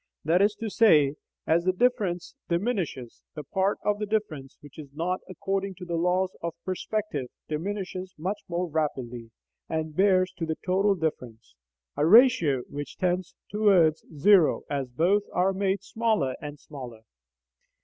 That is to say, as the difference diminishes, the part of the difference which is not according to the laws of perspective diminishes much more rapidly, and bears to the total difference a ratio which tends towards zero as both are made smaller and smaller.